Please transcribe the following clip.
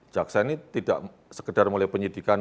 jaksa ini tidak sekedar mulai penyidikan